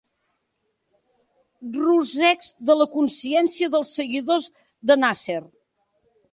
Rosecs de la consciència dels seguidors de Nàsser.